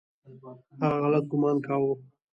هغه غلط ګومان کاوه .